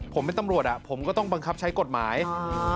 ผมเป็นตำรวจอ่ะผมก็ต้องบังคับใช้กฎหมายอืม